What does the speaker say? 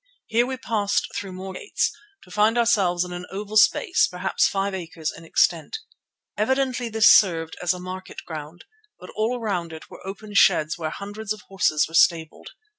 Here we passed through more gates, to find ourselves in an oval space, perhaps five acres in extent. Evidently this served as a market ground, but all around it were open sheds where hundreds of horses were stabled.